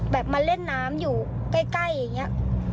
มาเล่นน้ำอยู่ใกล้อย่างนี้